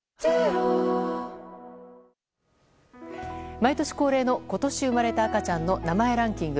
毎年恒例の、今年生まれた赤ちゃんの名前ランキング。